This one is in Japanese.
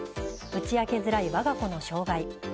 打ち明けづらい我が子の障害。